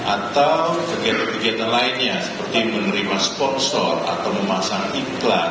atau kegiatan kegiatan lainnya seperti menerima sponsor atau memasang iklan